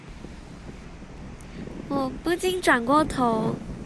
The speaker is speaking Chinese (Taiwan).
我不禁轉過頭